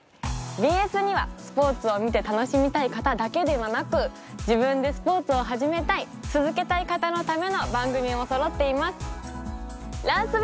ＢＳにはスポーツを見て楽しみたい方だけではなく自分でスポーツを始めたい続けたい方のための番組もそろっています。